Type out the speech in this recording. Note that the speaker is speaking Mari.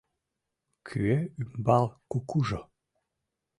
Куэ ӱмбал кукужо